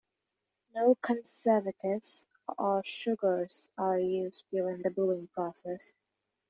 No conservatives or sugars are used during the brewing process.